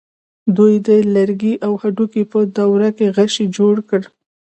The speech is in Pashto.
دوی د لرګي او هډوکي په دوره کې غشی جوړ کړ.